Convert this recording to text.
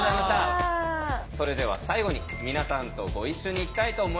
それでは最後に皆さんとご一緒にいきたいと思います。